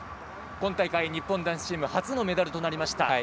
今大会、日本男子チーム初のメダルとなりました。